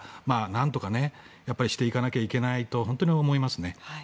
何とかしていかなきゃいけないと本当に思いますね。